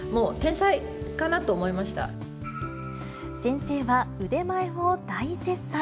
先生は腕前を大絶賛。